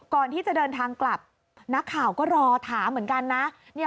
ก่อนที่จะเดินทางกลับนักข่าวก็รอถามเหมือนกันนะ